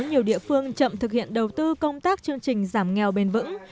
nhiều địa phương chậm thực hiện đầu tư công tác chương trình giảm nghèo bền vững